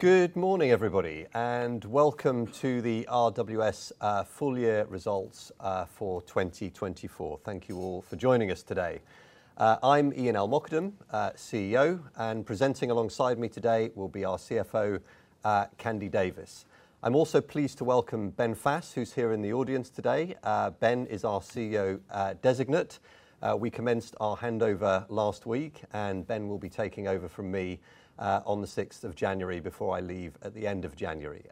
Good morning, everybody, and welcome to the RWS full year results for 2024. Thank you all for joining us today. I'm Ian El-Mokadem, CEO, and presenting alongside me today will be our CFO, Candida Davies. I'm also pleased to welcome Ben Faes, who's here in the audience today. Ben is our CEO designate. We commenced our handover last week, and Ben will be taking over from me on the 6th of January before I leave at the end of January.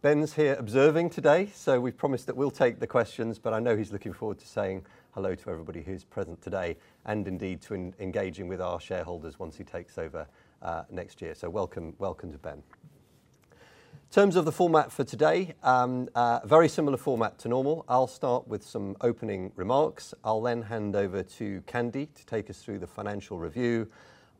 Ben's here observing today, so we've promised that we'll take the questions, but I know he's looking forward to saying hello to everybody who's present today and indeed to engaging with our shareholders once he takes over next year, so welcome, welcome to Ben. In terms of the format for today, a very similar format to normal. I'll start with some opening remarks. I'll then hand over to Candy to take us through the financial review.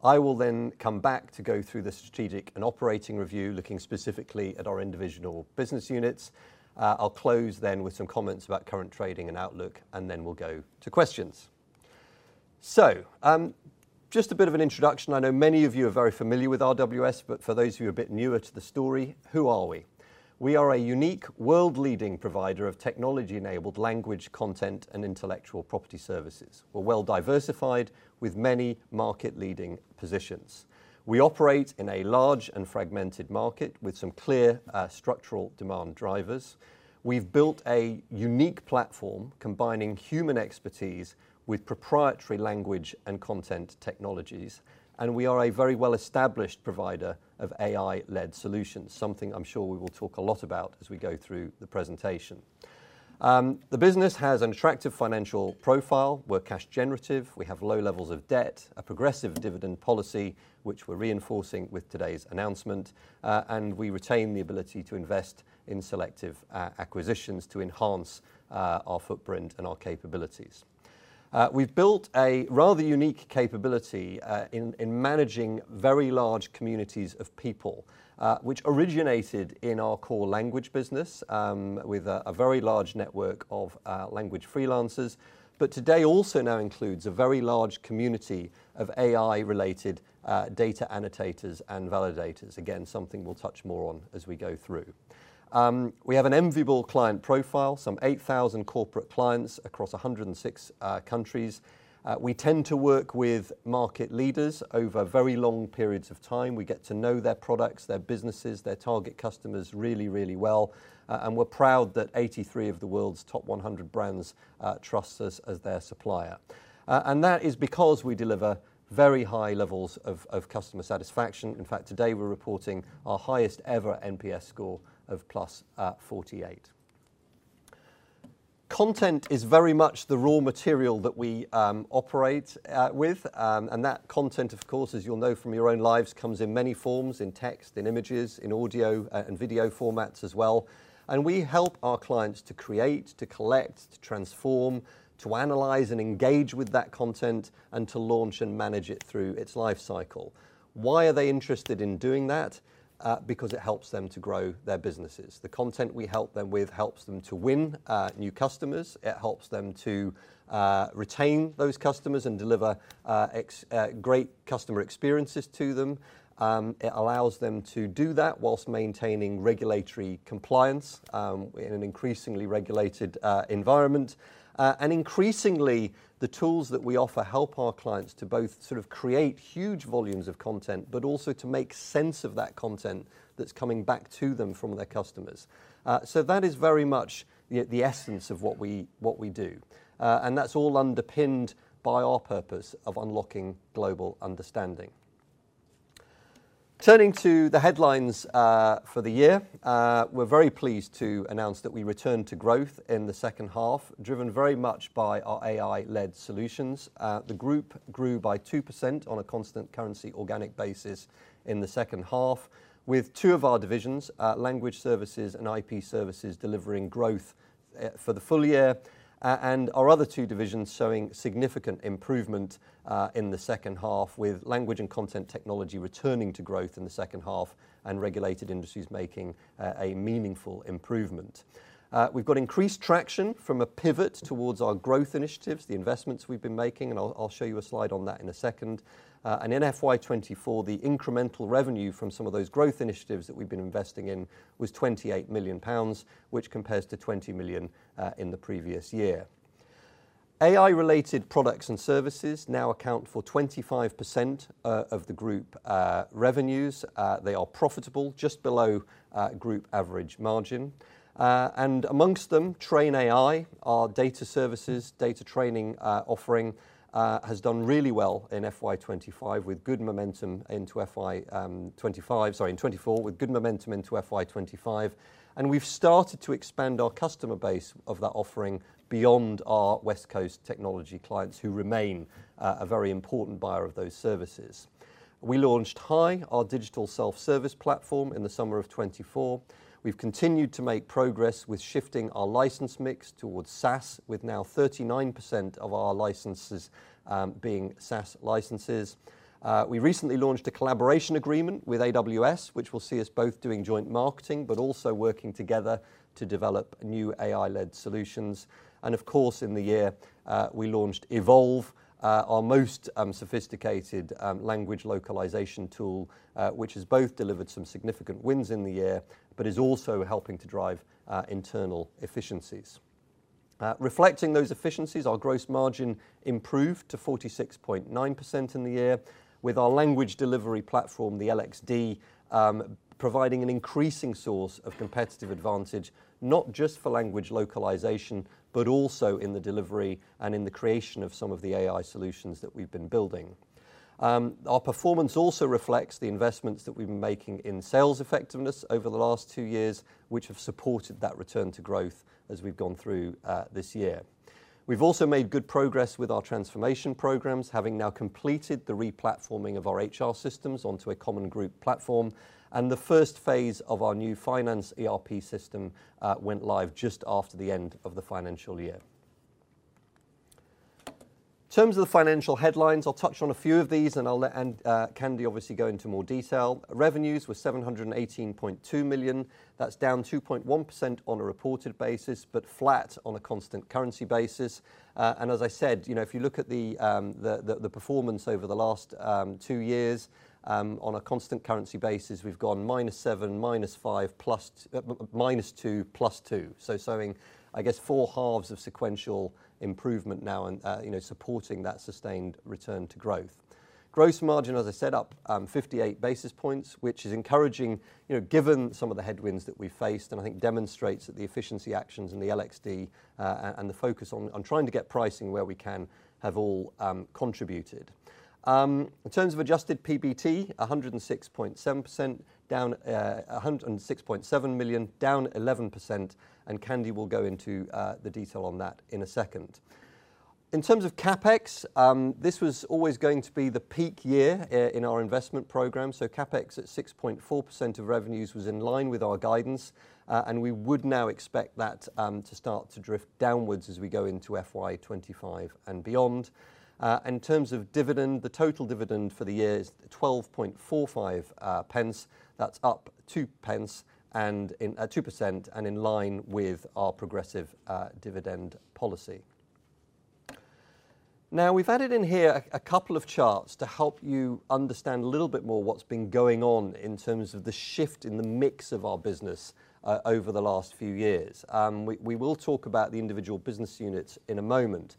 I will then come back to go through the strategic and operating review, looking specifically at our individual business units. I'll close then with some comments about current trading and outlook, and then we'll go to questions. So just a bit of an introduction. I know many of you are very familiar with RWS, but for those of you a bit newer to the story, who are we? We are a unique, world-leading provider of technology-enabled language content and intellectual property services. We're well diversified with many market-leading positions. We operate in a large and fragmented market with some clear structural demand drivers. We've built a unique platform combining human expertise with proprietary language and content technologies, and we are a very well-established provider of AI-led solutions, something I'm sure we will talk a lot about as we go through the presentation. The business has an attractive financial profile. We're cash generative. We have low levels of debt, a progressive dividend policy, which we're reinforcing with today's announcement, and we retain the ability to invest in selective acquisitions to enhance our footprint and our capabilities. We've built a rather unique capability in managing very large communities of people, which originated in our core language business with a very large network of language freelancers, but today also now includes a very large community of AI-related data annotators and validators. Again, something we'll touch more on as we go through. We have an enviable client profile, some 8,000 corporate clients across 106 countries. We tend to work with market leaders over very long periods of time. We get to know their products, their businesses, their target customers really, really well, and we're proud that 83 of the world's top 100 brands trust us as their supplier, and that is because we deliver very high levels of customer satisfaction. In fact, today we're reporting our highest ever NPS score of plus 48. Content is very much the raw material that we operate with, and that content, of course, as you'll know from your own lives, comes in many forms: in text, in images, in audio and video formats as well, and we help our clients to create, to collect, to transform, to analyze and engage with that content, and to launch and manage it through its life cycle. Why are they interested in doing that? Because it helps them to grow their businesses. The content we help them with helps them to win new customers. It helps them to retain those customers and deliver great customer experiences to them. It allows them to do that whilst maintaining regulatory compliance in an increasingly regulated environment. And increasingly, the tools that we offer help our clients to both sort of create huge volumes of content, but also to make sense of that content that's coming back to them from their customers. So that is very much the essence of what we do, and that's all underpinned by our purpose of unlocking global understanding. Turning to the headlines for the year, we're very pleased to announce that we returned to growth in the second half, driven very much by our AI-led solutions. The group grew by 2% on a constant currency organic basis in the second half, with two of our divisions, Language Services and IP Services, delivering growth for the full year, and our other two divisions showing significant improvement in the second half, with language and content technology returning to growth in the second half and Regulated Industries making a meaningful improvement. We've got increased traction from a pivot towards our growth initiatives, the investments we've been making, and I'll show you a slide on that in a second. In FY24, the incremental revenue from some of those growth initiatives that we've been investing in was 28 million pounds, which compares to 20 million in the previous year. AI-related products and services now account for 25% of the group revenues. They are profitable, just below group average margin. And among them, TrainAI, our data services, data training offering, has done really well in FY25, with good momentum into FY25, sorry, in FY24, with good momentum into FY25. And we've started to expand our customer base of that offering beyond our West Coast technology clients, who remain a very important buyer of those services. We launched HAI, our digital self-service platform, in the summer of 2024. We've continued to make progress with shifting our license mix towards SaaS, with now 39% of our licenses being SaaS licenses. We recently launched a collaboration agreement with AWS, which will see us both doing joint marketing, but also working together to develop new AI-led solutions. And of course, in the year, we launched Evolve, our most sophisticated language localization tool, which has both delivered some significant wins in the year, but is also helping to drive internal efficiencies. Reflecting those efficiencies, our gross margin improved to 46.9% in the year, with our language delivery platform, the LXD, providing an increasing source of competitive advantage, not just for language localization, but also in the delivery and in the creation of some of the AI solutions that we've been building. Our performance also reflects the investments that we've been making in sales effectiveness over the last two years, which have supported that return to growth as we've gone through this year. We've also made good progress with our transformation programs, having now completed the re-platforming of our HR systems onto a common group platform, and the first phase of our new finance ERP system went live just after the end of the financial year. In terms of the financial headlines, I'll touch on a few of these, and I'll let Candy obviously go into more detail. Revenues were 718.2 million. That's down 2.1% on a reported basis, but flat on a constant currency basis. As I said, if you look at the performance over the last two years, on a constant currency basis, we've gone minus seven, minus five, plus minus two, plus two. Showing, I guess, four halves of sequential improvement now, supporting that sustained return to growth. Gross margin, as I said, up 58 basis points, which is encouraging given some of the headwinds that we've faced, and I think demonstrates that the efficiency actions and the LXD and the focus on trying to get pricing where we can have all contributed. In terms of adjusted PBT, 106.7 million, down 11%, and Candy will go into the detail on that in a second. In terms of CapEx, this was always going to be the peak year in our investment program. CapEx at 6.4% of revenues was in line with our guidance, and we would now expect that to start to drift downwards as we go into FY25 and beyond. In terms of dividend, the total dividend for the year is 12.45. That's up 2% and in line with our progressive dividend policy. Now, we've added in here a couple of charts to help you understand a little bit more what's been going on in terms of the shift in the mix of our business over the last few years. We will talk about the individual business units in a moment,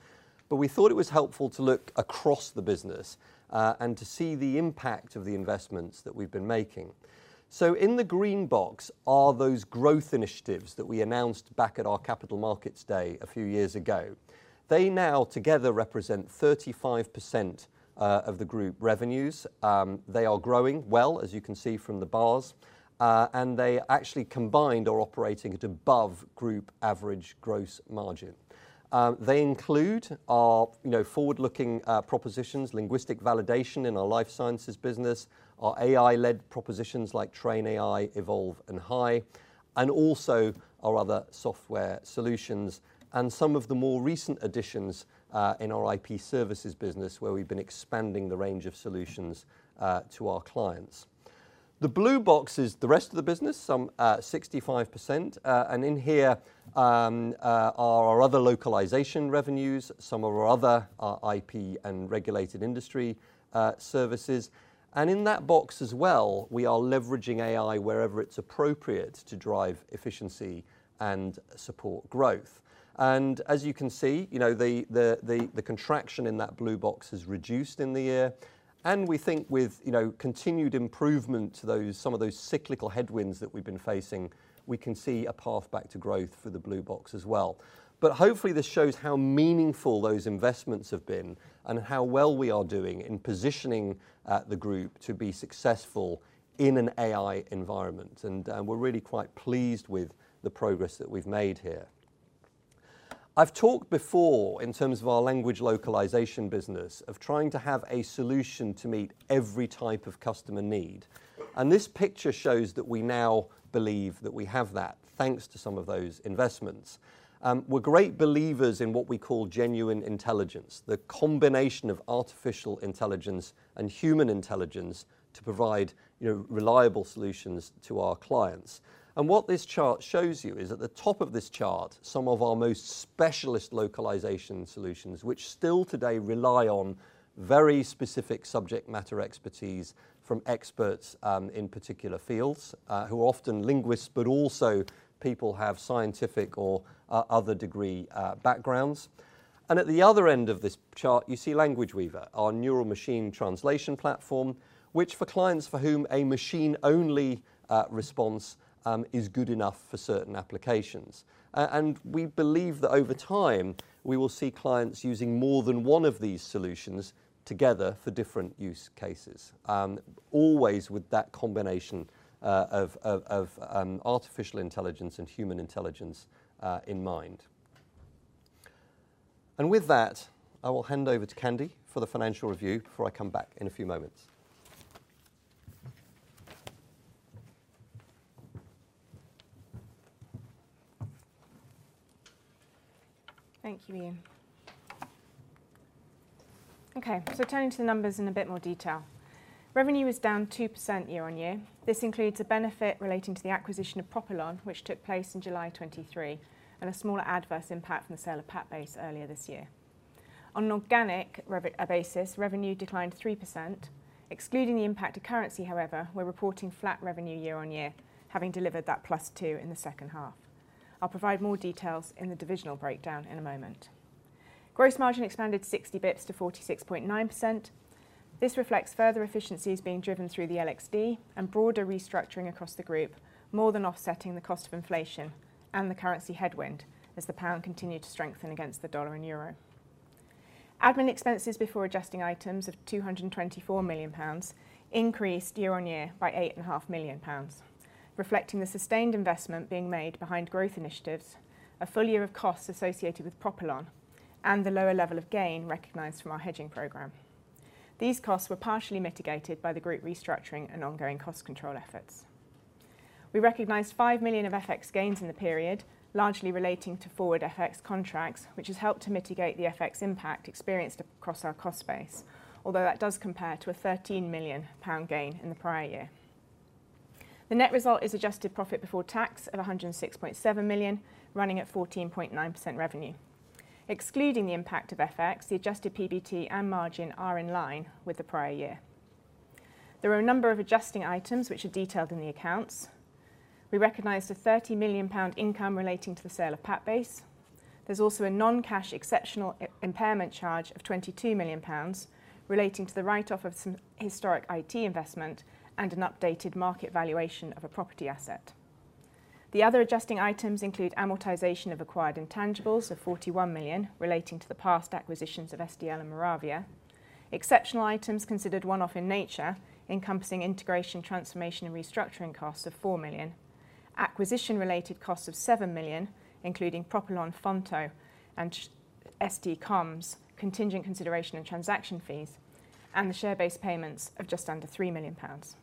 but we thought it was helpful to look across the business and to see the impact of the investments that we've been making. In the green box are those growth initiatives that we announced back at our capital markets day a few years ago. They now together represent 35% of the group revenues. They are growing well, as you can see from the bars, and they actually combined are operating at above group average gross margin. They include our forward-looking propositions, linguistic validation in our life sciences business, our AI-led propositions like TrainAI, Evolve, and HAI, and also our other software solutions, and some of the more recent additions in our IP Services business where we've been expanding the range of solutions to our clients. The blue box is the rest of the business, some 65%, and in here are our other localization revenues, some of our other IP and Regulated Industry Services, and in that box as well, we are leveraging AI wherever it's appropriate to drive efficiency and support growth. And as you can see, the contraction in that blue box has reduced in the year, and we think with continued improvement to some of those cyclical headwinds that we've been facing, we can see a path back to growth for the blue box as well. But hopefully this shows how meaningful those investments have been and how well we are doing in positioning the group to be successful in an AI environment. And we're really quite pleased with the progress that we've made here. I've talked before in terms of our language localization business of trying to have a solution to meet every type of customer need. And this picture shows that we now believe that we have that thanks to some of those investments. We're great believers in what we call genuine intelligence, the combination of artificial intelligence and human intelligence to provide reliable solutions to our clients. What this chart shows you is at the top of this chart, some of our most specialist localization solutions, which still today rely on very specific subject matter expertise from experts in particular fields who are often linguists, but also people have scientific or other degree backgrounds. And at the other end of this chart, you see Language Weaver, our neural machine translation platform, which for clients for whom a machine-only response is good enough for certain applications. And we believe that over time, we will see clients using more than one of these solutions together for different use cases, always with that combination of artificial intelligence and human intelligence in mind. And with that, I will hand over to Candy for the financial review before I come back in a few moments. Thank you, Ian. Okay, so turning to the numbers in a bit more detail. Revenue is down 2% year on year. This includes a benefit relating to the acquisition of Propylon, which took place in July 2023, and a smaller adverse impact from the sale of PatBase earlier this year. On an organic basis, revenue declined 3%. Excluding the impact of currency, however, we're reporting flat revenue year on year, having delivered that +2% in the second half. I'll provide more details in the divisional breakdown in a moment. Gross margin expanded 60 basis points to 46.9%. This reflects further efficiencies being driven through the LXD and broader restructuring across the group, more than offsetting the cost of inflation and the currency headwind as the pound continued to strengthen against the dollar and euro. Admin expenses before adjusting items of 224 million pounds increased year on year by 8.5 million pounds, reflecting the sustained investment being made behind growth initiatives, a full year of costs associated with Propylon, and the lower level of gain recognized from our hedging program. These costs were partially mitigated by the group restructuring and ongoing cost control efforts. We recognized 5 million of FX gains in the period, largely relating to forward FX contracts, which has helped to mitigate the FX impact experienced across our cost base, although that does compare to a 13 million pound gain in the prior year. The net result is adjusted profit before tax of 106.7 million, running at 14.9% revenue. Excluding the impact of FX, the adjusted PBT and margin are in line with the prior year. There are a number of adjusting items which are detailed in the accounts. We recognized a 30 million pound income relating to the sale of PatBase. There's also a non-cash exceptional impairment charge of 22 million pounds relating to the write-off of some historic IT investment and an updated market valuation of a property asset. The other adjusting items include amortization of acquired intangibles of 41 million relating to the past acquisitions of SDL and Moravia. Exceptional items considered one-off in nature, encompassing integration, transformation, and restructuring costs of 4 million, acquisition-related costs of 7 million, including Propylon, Fonto, and ST Comms, contingent consideration and transaction fees, and the share-based payments of just under 3 million pounds.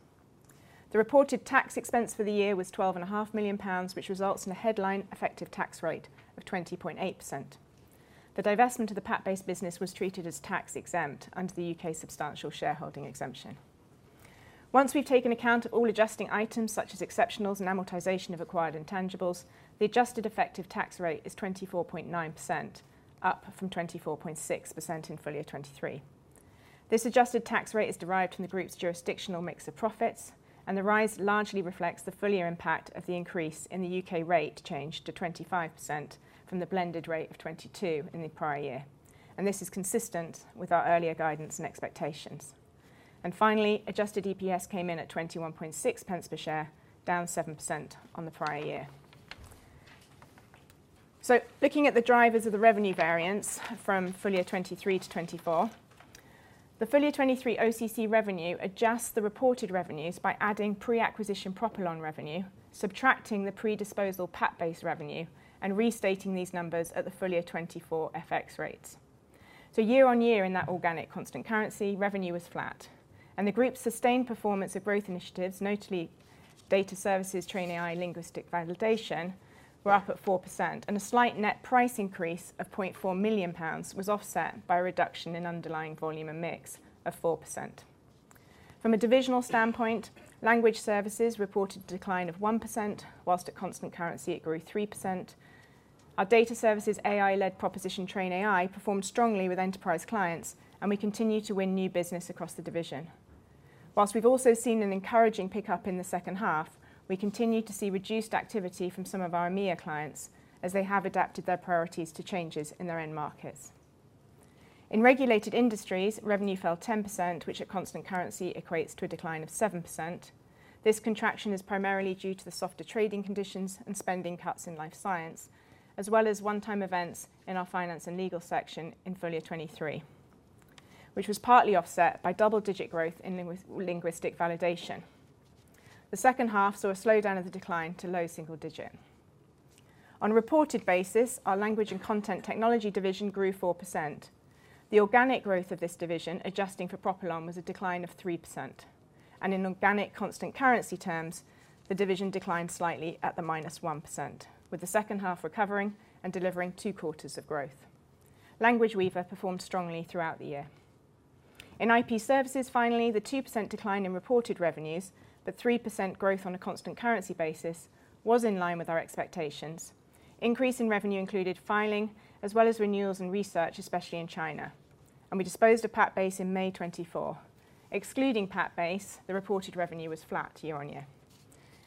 The reported tax expense for the year was 12.5 million pounds, which results in a headline effective tax rate of 20.8%. The divestment of the PatBase business was treated as tax-exempt under the U.K. Substantial Shareholding Exemption. Once we've taken account of all adjusting items such as exceptionals and amortization of acquired intangibles, the adjusted effective tax rate is 24.9%, up from 24.6% in full year 2023. This adjusted tax rate is derived from the group's jurisdictional mix of profits, and the rise largely reflects the full year impact of the increase in the UK rate change to 25% from the blended rate of 22% in the prior year, and this is consistent with our earlier guidance and expectations, and finally, adjusted EPS came in at 21.6 per share, down 7% on the prior year, so looking at the drivers of the revenue variance from full year 2023 to 2024, the full year 2023 OCC revenue adjusts the reported revenues by adding pre-acquisition Propylon revenue, subtracting the predisposal PatBase revenue, and restating these numbers at the full year 2024 FX rates. Year on year in that organic constant currency, revenue was flat. The group's sustained performance of growth initiatives, notably data services, TrainAI, linguistic validation, were up at 4%, and a slight net price increase of 0.4 million pounds was offset by a reduction in underlying volume and mix of 4%. From a divisional standpoint, Language Services reported a decline of 1%, whilst at constant currency, it grew 3%. Our data services, AI-led proposition, TrainAI, performed strongly with enterprise clients, and we continue to win new business across the division. Whilst we've also seen an encouraging pickup in the second half, we continue to see reduced activity from some of our EMEA clients as they have adapted their priorities to changes in their end markets. In Regulated Industries, revenue fell 10%, which at constant currency equates to a decline of 7%. This contraction is primarily due to the softer trading conditions and spending cuts in life sciences, as well as one-time events in our finance and legal sector in full year 2023, which was partly offset by double-digit growth in linguistic validation. The second half saw a slowdown of the decline to low single digits. On a reported basis, our language and content technology division grew 4%. The organic growth of this division, adjusting for Propylon, was a decline of 3%, and in organic constant currency terms, the division declined slightly at the minus 1%, with the second half recovering and delivering two quarters of growth. Language Weaver performed strongly throughout the year. In IP Services, finally, the 2% decline in reported revenues but 3% growth on a constant currency basis was in line with our expectations. The increase in revenue included filing as well as renewals and research, especially in China. And we disposed of PatBase in May 2024. Excluding PatBase, the reported revenue was flat year on year.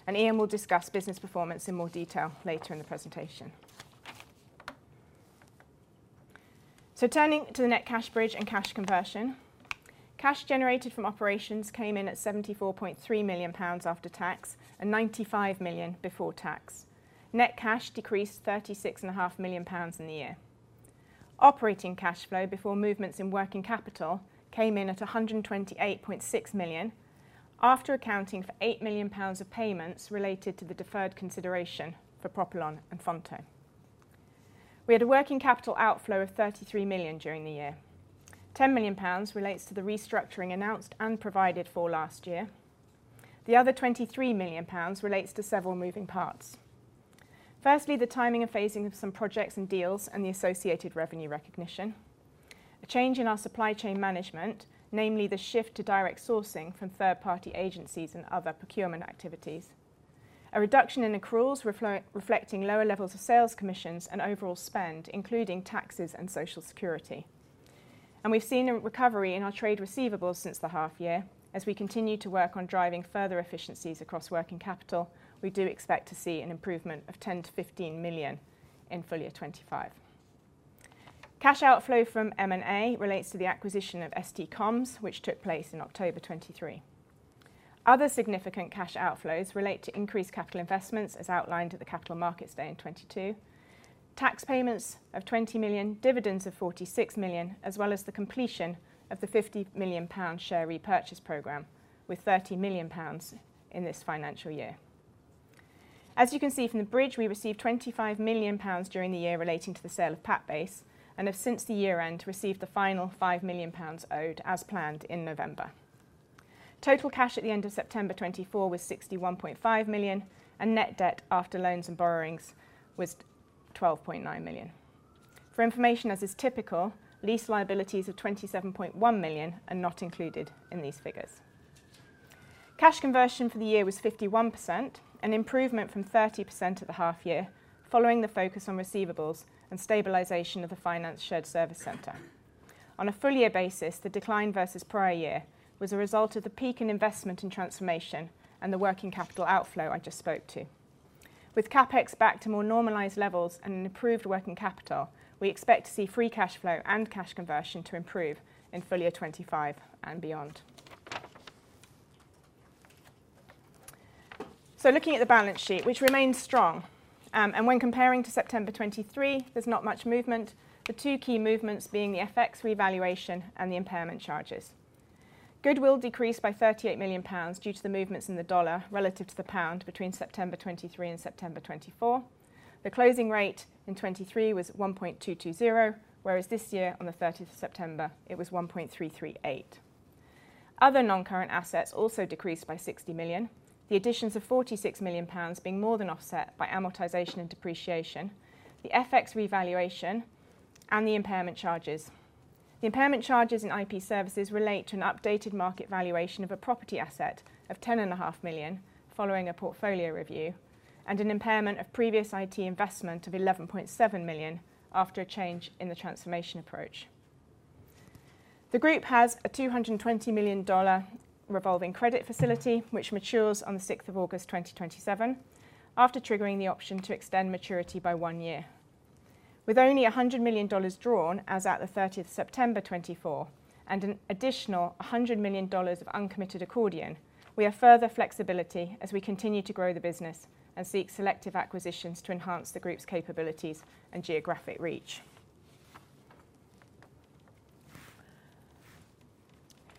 And Ian will discuss business performance in more detail later in the presentation. So turning to the net cash bridge and cash conversion, cash generated from operations came in at £74.3 million after tax and £95 million before tax. Net cash decreased £36.5 million in the year. Operating cash flow before movements in working capital came in at £128.6 million after accounting for £8 million of payments related to the deferred consideration for Propylon and Fonto. We had a working capital outflow of £33 million during the year. £10 million relates to the restructuring announced and provided for last year. The other £23 million relates to several moving parts. Firstly, the timing and phasing of some projects and deals and the associated revenue recognition. A change in our supply chain management, namely the shift to direct sourcing from third-party agencies and other procurement activities. A reduction in accruals reflecting lower levels of sales commissions and overall spend, including taxes and social security, and we've seen a recovery in our trade receivables since the half year. As we continue to work on driving further efficiencies across working capital, we do expect to see an improvement of £10-£15 million in full year 2025. Cash outflow from M&A relates to the acquisition of SD Comms, which took place in October 2023. Other significant cash outflows relate to increased capital investments, as outlined at the capital markets day in 2022, tax payments of 20 million, dividends of 46 million, as well as the completion of the 50 million pound share repurchase program with 30 million pounds in this financial year. As you can see from the bridge, we received 25 million pounds during the year relating to the sale of PatBase and have since the year-end received the final 5 million pounds owed as planned in November. Total cash at the end of September 2024 was 61.5 million, and net debt after loans and borrowings was 12.9 million. For information, as is typical, lease liabilities of 27.1 million are not included in these figures. Cash conversion for the year was 51%, an improvement from 30% of the half year following the focus on receivables and stabilization of the finance shared service center. On a full year basis, the decline versus prior year was a result of the peak in investment and transformation and the working capital outflow I just spoke to. With CapEx back to more normalized levels and an improved working capital, we expect to see free cash flow and cash conversion to improve in full year 2025 and beyond. So looking at the balance sheet, which remains strong. And when comparing to September 2023, there's not much movement, the two key movements being the FX revaluation and the impairment charges. Goodwill decreased by 38 million pounds due to the movements in the dollar relative to the pound between September 2023 and September 2024. The closing rate in 2023 was 1.220, whereas this year on the 30th of September, it was 1.338. Other non-current assets also decreased by 60 million, the additions of 46 million pounds being more than offset by amortization and depreciation, the FX revaluation, and the impairment charges. The impairment charges in IP Services relate to an updated market valuation of a property asset of 10.5 million following a portfolio review and an impairment of previous IT investment of 11.7 million after a change in the transformation approach. The group has a $220 million revolving credit facility, which matures on the 6th of August 2027 after triggering the option to extend maturity by one year. With only $100 million drawn as at the 30th of September 2024 and an additional $100 million of uncommitted accordion, we have further flexibility as we continue to grow the business and seek selective acquisitions to enhance the group's capabilities and geographic reach.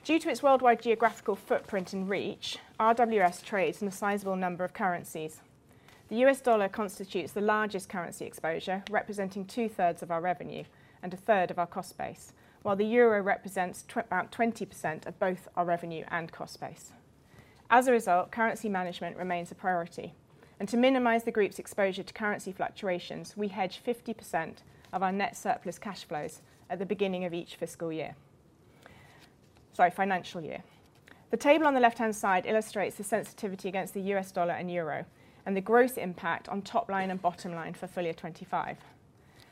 Due to its worldwide geographic footprint and reach, RWS trades in a sizable number of currencies. The U.S. dollar constitutes the largest currency exposure, representing two-thirds of our revenue and a third of our cost base, while the euro represents about 20% of both our revenue and cost base. As a result, currency management remains a priority. To minimize the group's exposure to currency fluctuations, we hedge 50% of our net surplus cash flows at the beginning of each fiscal year. Sorry, financial year. The table on the left-hand side illustrates the sensitivity against the U.S. dollar and euro and the gross impact on top line and bottom line for full year 2025.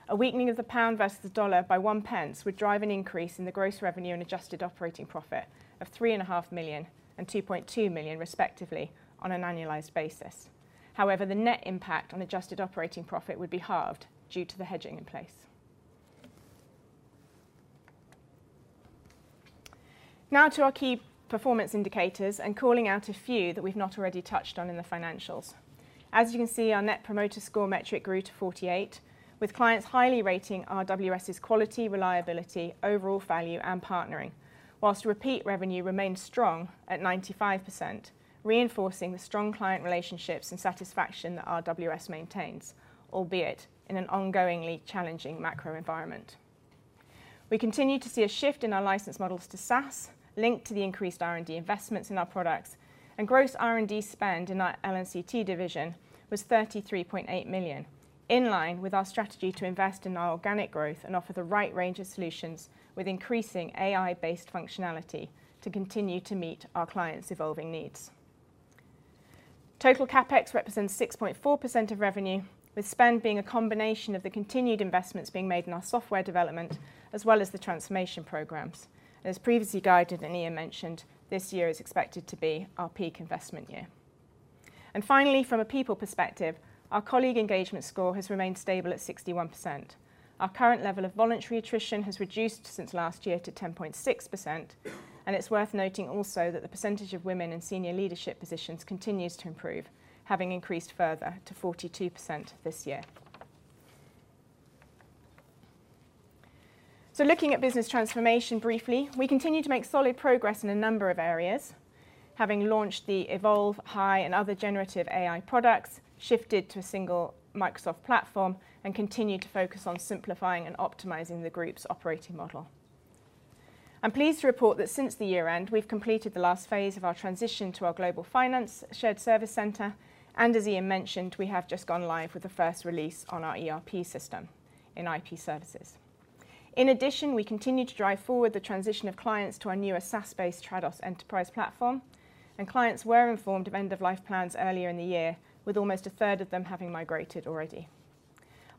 A weakening of the pound versus the dollar by one pence would drive an increase in the gross revenue and adjusted operating profit of 3.5 million and 2.2 million, respectively, on an annualized basis. However, the net impact on adjusted operating profit would be halved due to the hedging in place. Now to our key performance indicators and calling out a few that we've not already touched on in the financials. As you can see, our Net Promoter Score metric grew to 48, with clients highly rating RWS's quality, reliability, overall value, and partnering, whilst repeat revenue remained strong at 95%, reinforcing the strong client relationships and satisfaction that RWS maintains, albeit in an ongoingly challenging macro environment. We continue to see a shift in our license models to SaaS linked to the increased R&D investments in our products, and gross R&D spend in our L&CT division was 33.8 million, in line with our strategy to invest in our organic growth and offer the right range of solutions with increasing AI-based functionality to continue to meet our clients' evolving needs. Total CapEx represents 6.4% of revenue, with spend being a combination of the continued investments being made in our software development as well as the transformation programs. As previously guided and Ian mentioned, this year is expected to be our peak investment year. Finally, from a people perspective, our colleague engagement score has remained stable at 61%. Our current level of voluntary attrition has reduced since last year to 10.6%, and it's worth noting also that the percentage of women in senior leadership positions continues to improve, having increased further to 42% this year. Looking at business transformation briefly, we continue to make solid progress in a number of areas, having launched the Evolve, HAI, and other generative AI products, shifted to a single Microsoft platform, and continued to focus on simplifying and optimizing the group's operating model. I'm pleased to report that since the year-end, we've completed the last phase of our transition to our global finance shared service center, and as Ian mentioned, we have just gone live with the first release on our ERP system in IP Services. In addition, we continue to drive forward the transition of clients to our newer SaaS-based Trados Enterprise platform, and clients were informed of end-of-life plans earlier in the year, with almost a third of them having migrated already.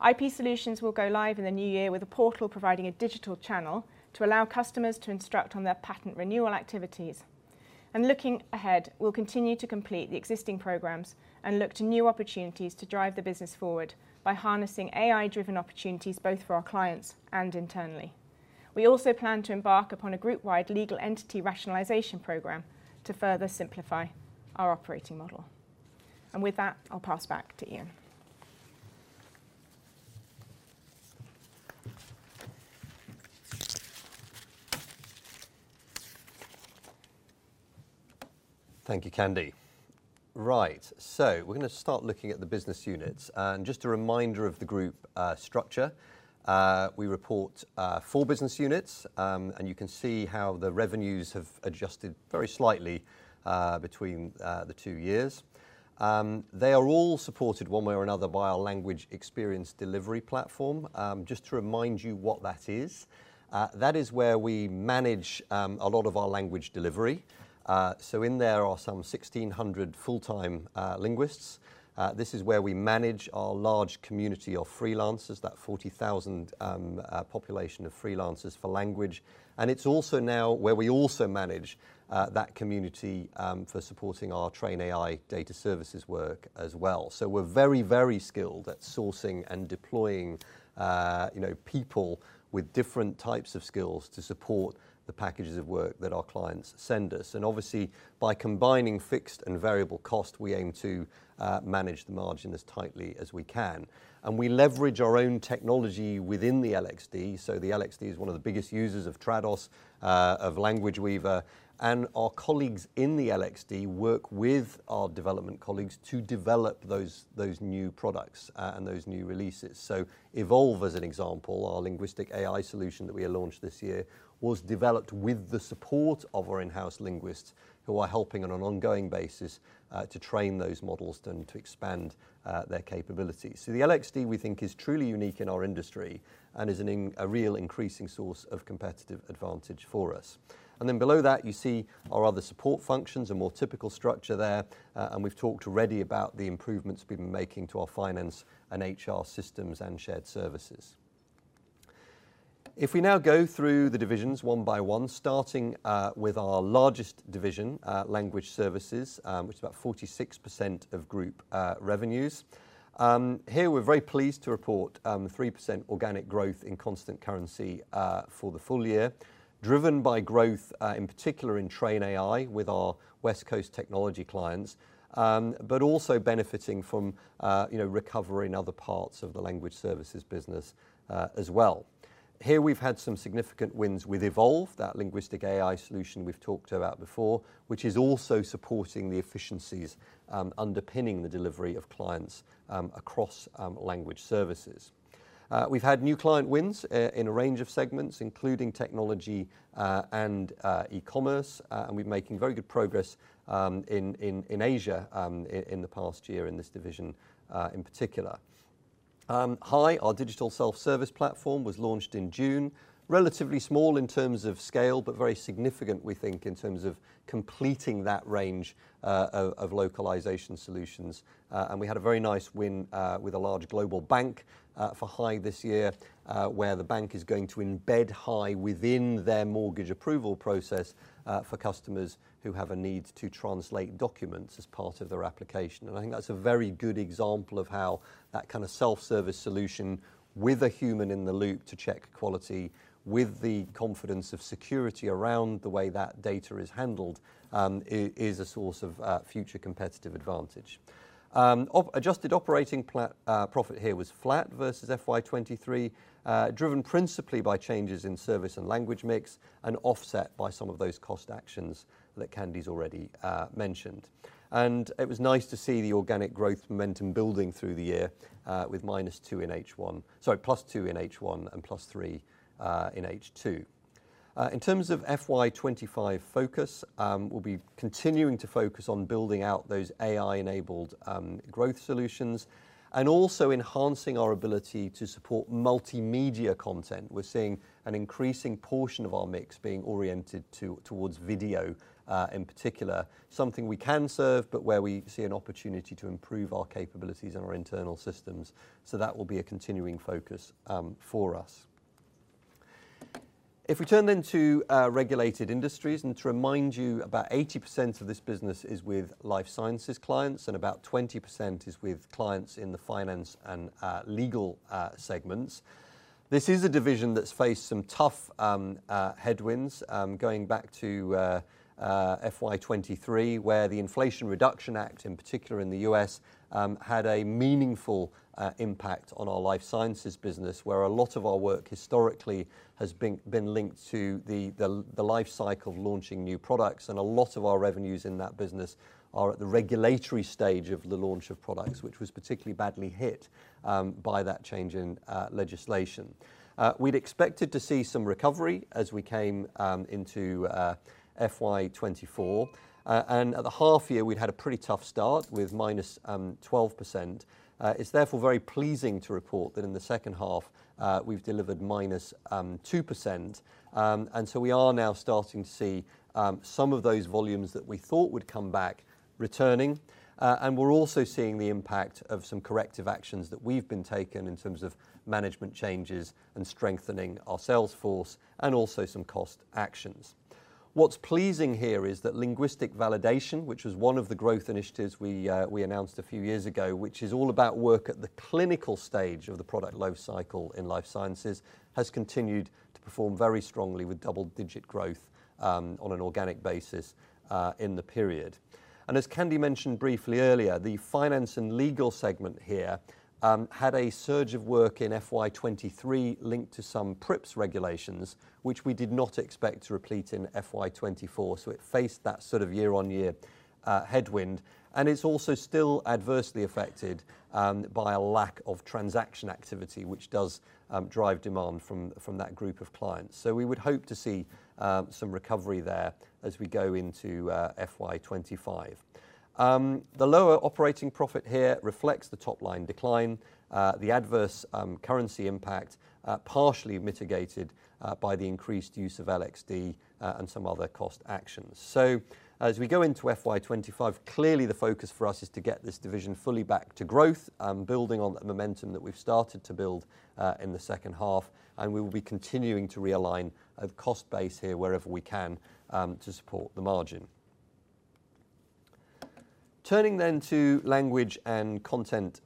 IP solutions will go live in the new year with a portal providing a digital channel to allow customers to instruct on their patent renewal activities. And looking ahead, we'll continue to complete the existing programs and look to new opportunities to drive the business forward by harnessing AI-driven opportunities both for our clients and internally. We also plan to embark upon a group-wide legal entity rationalization program to further simplify our operating model, and with that, I'll pass back to Ian. Thank you, Candida. Right, so we're going to start looking at the business units, and just a reminder of the group structure. We report four business units, and you can see how the revenues have adjusted very slightly between the two years. They are all supported one way or another by our language experience delivery platform. Just to remind you what that is, that is where we manage a lot of our language delivery, so in there are some 1,600 full-time linguists. This is where we manage our large community of freelancers, that 40,000 population of freelancers for language, and it's also now where we also manage that community for supporting our TrainAI data services work as well. So we're very, very skilled at sourcing and deploying people with different types of skills to support the packages of work that our clients send us. And obviously, by combining fixed and variable cost, we aim to manage the margin as tightly as we can. And we leverage our own technology within the LXD. So the LXD is one of the biggest users of Trados, of Language Weaver, and our colleagues in the LXD work with our development colleagues to develop those new products and those new releases. So Evolve, as an example, our linguistic AI solution that we have launched this year, was developed with the support of our in-house linguists who are helping on an ongoing basis to train those models and to expand their capabilities. So the LXD, we think, is truly unique in our industry and is a real increasing source of competitive advantage for us. And then below that, you see our other support functions, a more typical structure there. And we've talked already about the improvements we've been making to our finance and HR systems and shared services. If we now go through the divisions one by one, starting with our largest division, Language Services, which is about 46% of group revenues. Here, we're very pleased to report 3% organic growth in constant currency for the full year, driven by growth, in particular in TrainAI with our West Coast technology clients, but also benefiting from recovery in other parts of the Language Services business as well. Here, we've had some significant wins with Evolve, that linguistic AI solution we've talked about before, which is also supporting the efficiencies underpinning the delivery of clients across Language Services. We've had new client wins in a range of segments, including technology and e-commerce, and we've been making very good progress in Asia in the past year in this division in particular. HAI, our digital self-service platform was launched in June, relatively small in terms of scale, but very significant, we think, in terms of completing that range of localization solutions, and we had a very nice win with a large global bank for HAI this year, where the bank is going to embed HAI within their mortgage approval process for customers who have a need to translate documents as part of their application, and I think that's a very good example of how that kind of self-service solution with a human in the loop to check quality with the confidence of security around the way that data is handled is a source of future competitive advantage. Adjusted operating profit here was flat versus FY23, driven principally by changes in service and language mix and offset by some of those cost actions that Candy's already mentioned, and it was nice to see the organic growth momentum building through the year with -2% in H1, sorry, +2% in H1 and +3% in H2. In terms of FY25 focus, we'll be continuing to focus on building out those AI-enabled growth solutions and also enhancing our ability to support multimedia content. We're seeing an increasing portion of our mix being oriented towards video in particular, something we can serve, but where we see an opportunity to improve our capabilities and our internal systems, so that will be a continuing focus for us. If we turn then to Regulated Industries, and to remind you, about 80% of this business is with life sciences clients and about 20% is with clients in the finance and legal segments. This is a division that's faced some tough headwinds going back to FY23, where the Inflation Reduction Act, in particular in the U.S., had a meaningful impact on our life sciences business, where a lot of our work historically has been linked to the life cycle of launching new products, and a lot of our revenues in that business are at the regulatory stage of the launch of products, which was particularly badly hit by that change in legislation. We'd expected to see some recovery as we came into FY24, and at the half year, we'd had a pretty tough start with minus 12%. It's therefore very pleasing to report that in the second half, we've delivered -2%. And so we are now starting to see some of those volumes that we thought would come back returning, and we're also seeing the impact of some corrective actions that we've taken in terms of management changes and strengthening our sales force and also some cost actions. What's pleasing here is that linguistic validation, which was one of the growth initiatives we announced a few years ago, which is all about work at the clinical stage of the product life cycle in life sciences, has continued to perform very strongly with double-digit growth on an organic basis in the period. And as Candy mentioned briefly earlier, the finance and legal segment here had a surge of work in FY23 linked to some PRIIPs regulations, which we did not expect to repeat in FY24. So it faced that sort of year-on-year headwind, and it's also still adversely affected by a lack of transaction activity, which does drive demand from that group of clients. So we would hope to see some recovery there as we go into FY25. The lower operating profit here reflects the top line decline. The adverse currency impact partially mitigated by the increased use of LXD and some other cost actions. So as we go into FY25, clearly the focus for us is to get this division fully back to growth, building on the momentum that we've started to build in the second half, and we will be continuing to realign the cost base here wherever we can to support the margin. Turning then to language and content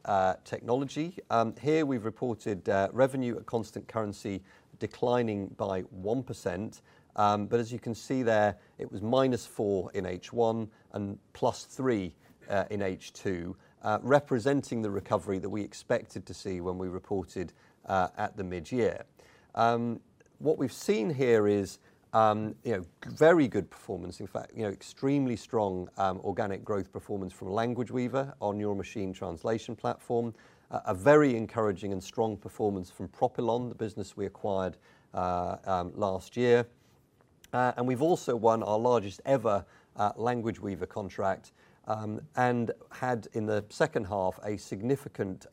technology, here we've reported revenue at constant currency declining by 1%, but as you can see there, it was -4% in H1 and +3% in H2, representing the recovery that we expected to see when we reported at the mid-year. What we've seen here is very good performance, in fact, extremely strong organic growth performance from Language Weaver on your machine translation platform, a very encouraging and strong performance from Propylon, the business we acquired last year, and we've also won our largest ever Language Weaver contract and had in the second half a significant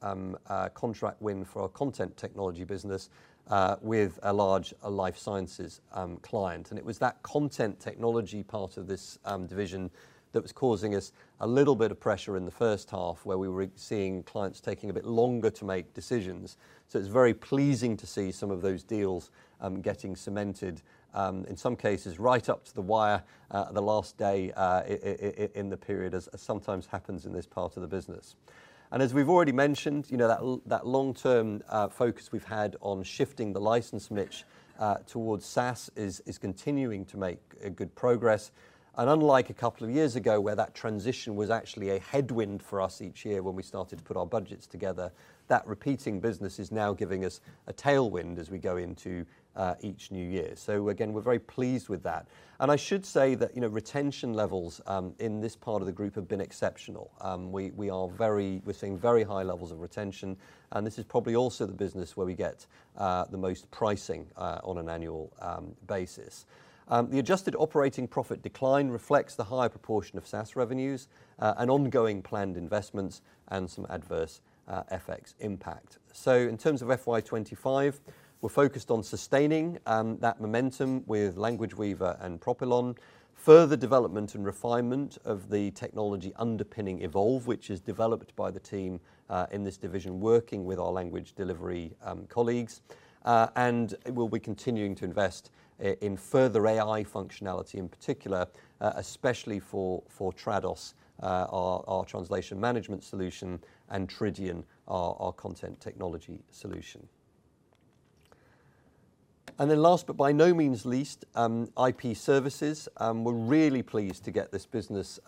contract win for our content technology business with a large life sciences client, and it was that content technology part of this division that was causing us a little bit of pressure in the first half, where we were seeing clients taking a bit longer to make decisions. So it's very pleasing to see some of those deals getting cemented, in some cases, right up to the wire the last day in the period, as sometimes happens in this part of the business. And as we've already mentioned, that long-term focus we've had on shifting the license niche toward SaaS is continuing to make good progress. And unlike a couple of years ago, where that transition was actually a headwind for us each year when we started to put our budgets together, that repeating business is now giving us a tailwind as we go into each new year. So again, we're very pleased with that. And I should say that retention levels in this part of the group have been exceptional. We're seeing very high levels of retention, and this is probably also the business where we get the most pricing on an annual basis. The adjusted operating profit decline reflects the higher proportion of SaaS revenues, an ongoing planned investments, and some adverse FX impact, so in terms of FY25, we're focused on sustaining that momentum with Language Weaver and Propylon, further development and refinement of the technology underpinning Evolve, which is developed by the team in this division working with our language delivery colleagues, and we'll be continuing to invest in further AI functionality in particular, especially for Trados, our translation management solution, and Tridion, our content technology solution, and then last, but by no means least, IP Services. We're really pleased to get this business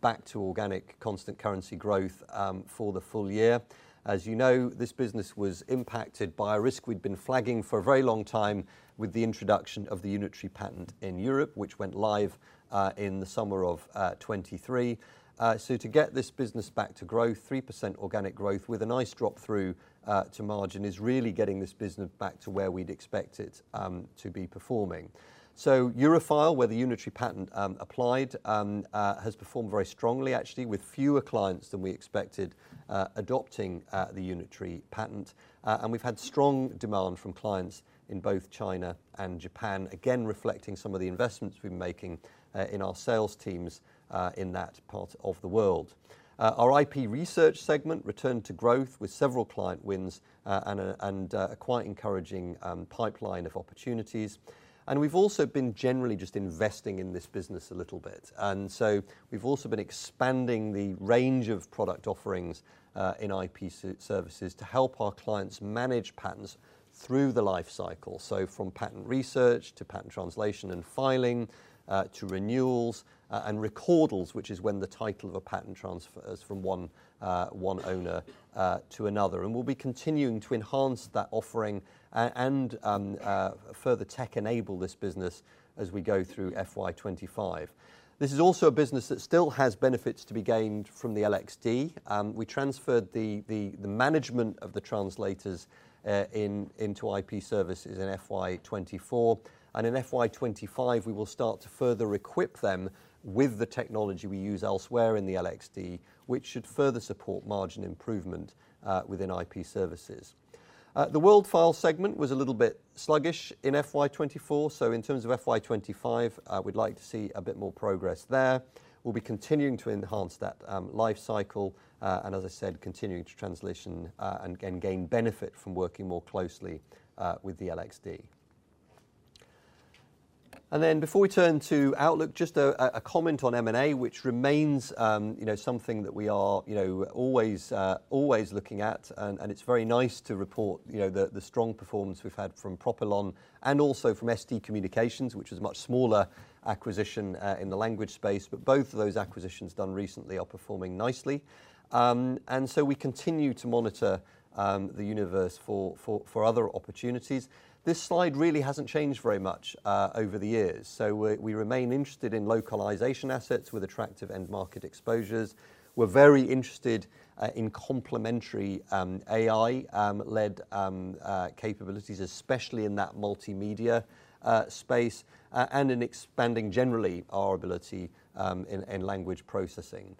back to organic constant currency growth for the full year. As you know, this business was impacted by a risk we'd been flagging for a very long time with the introduction of the Unitary Patent in Europe, which went live in the summer of 2023. To get this business back to growth, 3% organic growth with a nice drop through to margin is really getting this business back to where we'd expect it to be performing. EuroFile, where the Unitary Patent applies, has performed very strongly, actually, with fewer clients than we expected adopting the Unitary Patent. We've had strong demand from clients in both China and Japan, again reflecting some of the investments we've been making in our sales teams in that part of the world. Our IP research segment returned to growth with several client wins and a quite encouraging pipeline of opportunities. We've also been generally just investing in this business a little bit. We've also been expanding the range of product offerings in IP Services to help our clients manage patents through the life cycle. From patent research to patent translation and filing to renewals and recordals, which is when the title of a patent transfers from one owner to another. We'll be continuing to enhance that offering and further tech-enable this business as we go through FY25. This is also a business that still has benefits to be gained from the LXD. We transferred the management of the translators into IP Services in FY24. In FY25, we will start to further equip them with the technology we use elsewhere in the LXD, which should further support margin improvement within IP Services. The WorldFile segment was a little bit sluggish in FY24. In terms of FY25, we'd like to see a bit more progress there. We'll be continuing to enhance that life cycle and, as I said, continuing to translate and gain benefit from working more closely with the LXD. And then before we turn to Outlook, just a comment on M&A, which remains something that we are always looking at. And it's very nice to report the strong performance we've had from Propylon and also from ST Communications, which was a much smaller acquisition in the language space, but both of those acquisitions done recently are performing nicely. And so we continue to monitor the universe for other opportunities. This slide really hasn't changed very much over the years. So we remain interested in localization assets with attractive end-market exposures. We're very interested in complementary AI-led capabilities, especially in that multimedia space, and in expanding generally our ability in language processing.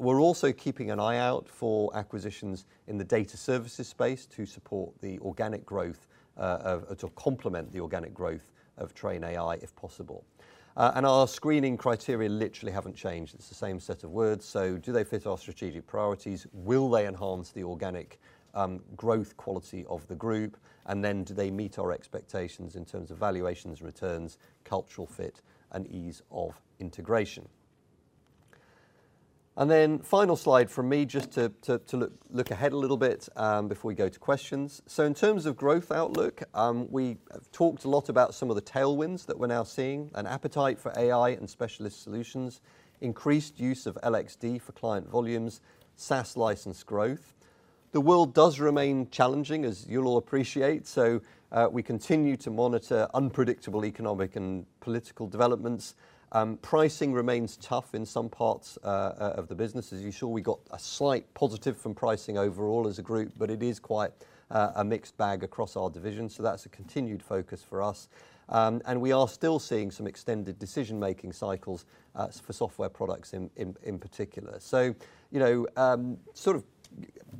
We're also keeping an eye out for acquisitions in the data services space to support the organic growth or to complement the organic growth of TrainAI, if possible. And our screening criteria literally haven't changed. It's the same set of words. So do they fit our strategic priorities? Will they enhance the organic growth quality of the group? And then do they meet our expectations in terms of valuations, returns, cultural fit, and ease of integration? And then final slide from me just to look ahead a little bit before we go to questions. So in terms of growth outlook, we have talked a lot about some of the tailwinds that we're now seeing: an appetite for AI and specialist solutions, increased use of LXD for client volumes, SaaS license growth. The world does remain challenging, as you'll all appreciate. So we continue to monitor unpredictable economic and political developments. Pricing remains tough in some parts of the business. As you saw, we got a slight positive from pricing overall as a group, but it is quite a mixed bag across our division. So that's a continued focus for us. And we are still seeing some extended decision-making cycles for software products in particular. So sort of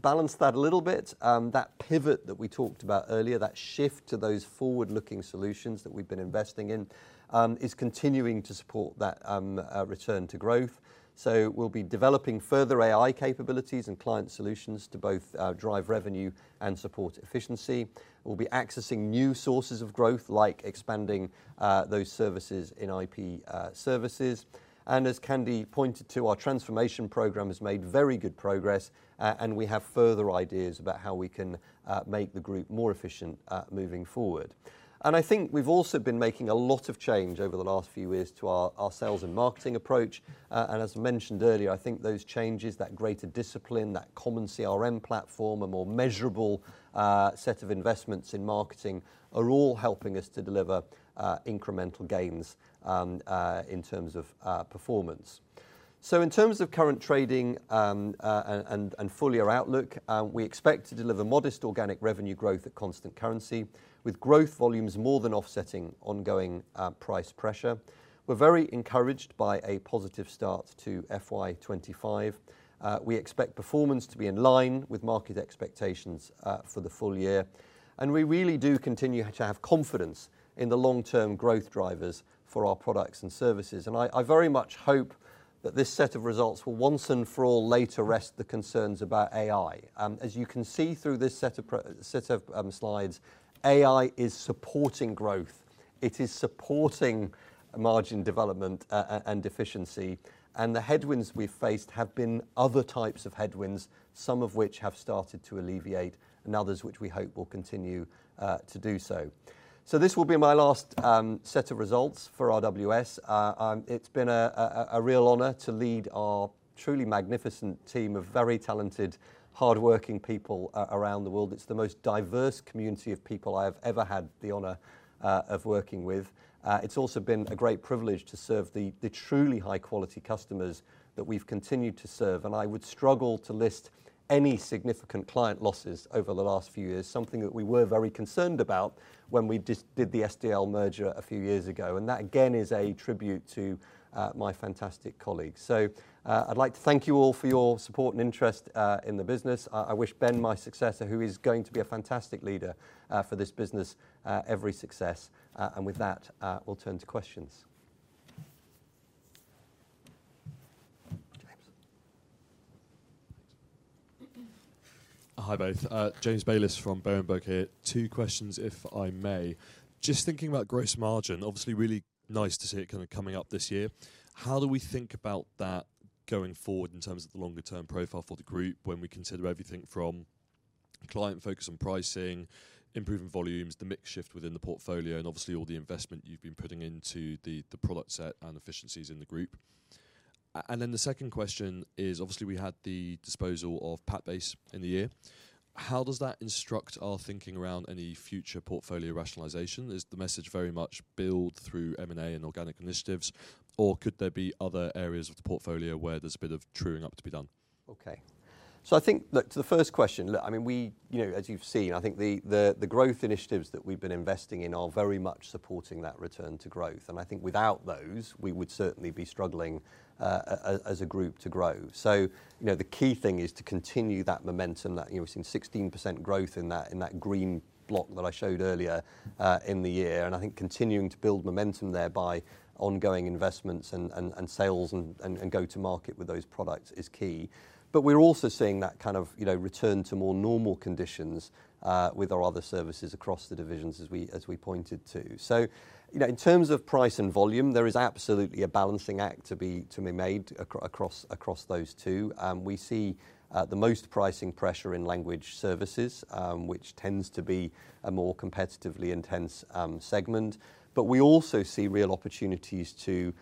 balance that a little bit. That pivot that we talked about earlier, that shift to those forward-looking solutions that we've been investing in, is continuing to support that return to growth. So we'll be developing further AI capabilities and client solutions to both drive revenue and support efficiency. We'll be accessing new sources of growth, like expanding those services in IP Services. And as Candy pointed to, our transformation program has made very good progress, and we have further ideas about how we can make the group more efficient moving forward. And I think we've also been making a lot of change over the last few years to our sales and marketing approach. As mentioned earlier, I think those changes, that greater discipline, that common CRM platform, a more measurable set of investments in marketing, are all helping us to deliver incremental gains in terms of performance. So in terms of current trading and full-year outlook, we expect to deliver modest organic revenue growth at constant currency, with growth volumes more than offsetting ongoing price pressure. We're very encouraged by a positive start to FY25. We expect performance to be in line with market expectations for the full year. We really do continue to have confidence in the long-term growth drivers for our products and services. I very much hope that this set of results will once and for all lay to rest the concerns about AI. As you can see through this set of slides, AI is supporting growth. It is supporting margin development and efficiency. And the headwinds we've faced have been other types of headwinds, some of which have started to alleviate and others which we hope will continue to do so. So this will be my last set of results for RWS. It's been a real honor to lead our truly magnificent team of very talented, hardworking people around the world. It's the most diverse community of people I have ever had the honor of working with. It's also been a great privilege to serve the truly high-quality customers that we've continued to serve. And I would struggle to list any significant client losses over the last few years, something that we were very concerned about when we did the SDL merger a few years ago. And that, again, is a tribute to my fantastic colleagues. So I'd like to thank you all for your support and interest in the business. I wish Ben, my successor, who is going to be a fantastic leader for this business, every success. And with that, we'll turn to questions. James. Hi both. James Bayliss from Berenberg here. Two questions, if I may. Just thinking about gross margin, obviously really nice to see it kind of coming up this year. How do we think about that going forward in terms of the longer-term profile for the group when we consider everything from client focus on pricing, improving volumes, the mix shift within the portfolio, and obviously all the investment you've been putting into the product set and efficiencies in the group? And then the second question is, obviously we had the disposal of PatBase in the year. How does that instruct our thinking around any future portfolio rationalization? Is the message very much built through M&A and organic initiatives, or could there be other areas of the portfolio where there's a bit of truing up to be done? Okay. So I think, look, to the first question, look, I mean, as you've seen, I think the growth initiatives that we've been investing in are very much supporting that return to growth. And I think without those, we would certainly be struggling as a group to grow. So the key thing is to continue that momentum that we've seen 16% growth in that green block that I showed earlier in the year. And I think continuing to build momentum there by ongoing investments and sales and go-to-market with those products is key. But we're also seeing that kind of return to more normal conditions with our other services across the divisions, as we pointed to. So in terms of price and volume, there is absolutely a balancing act to be made across those two. We see the most pricing pressure in Language Services, which tends to be a more competitively intense segment. But we also see real opportunities to